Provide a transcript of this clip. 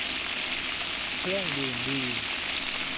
เครื่องดื่มดี